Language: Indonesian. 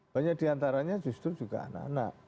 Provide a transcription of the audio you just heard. banyak diantaranya justru juga anak anak